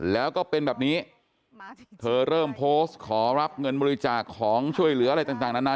แล้วก็เป็นแบบนี้เธอเริ่มโพสต์ขอรับเงินบริจาคของช่วยเหลืออะไรต่างนานา